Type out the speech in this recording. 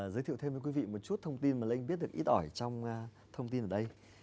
giới thiệu thêm cho quý vị một chút thông tin mà lê anh biết được ít ỏi trong thông tin ở đây